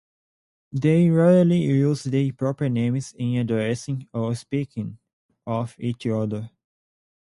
They rarely use their proper names in addressing or speaking of each other.